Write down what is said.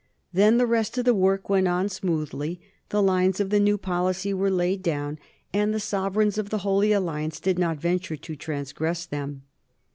Then the rest of the work went on smoothly, the lines of the new policy were laid down, and the sovereigns of the Holy Alliance did not venture to transgress them.